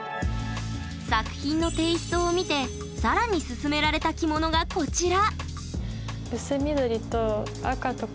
作品のテイストを見て更にすすめられた着物がこちら！